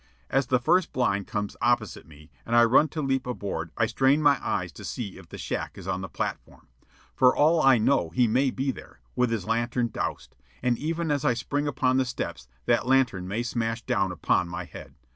As the first blind comes opposite me, and I run to leap aboard, I strain my eyes to see if the shack is on the platform. For all I know he may be there, with his lantern doused, and even as I spring upon the steps that lantern may smash down upon my head.